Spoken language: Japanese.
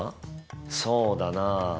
そうだなぁ。